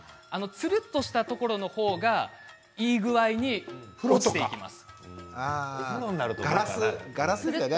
つるっとしたところの方がいい具合に落ちていきます。